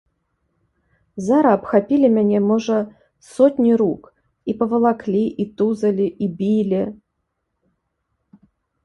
Зара абхапілі мяне, можа, сотні рук, і павалаклі, і тузалі, і білі.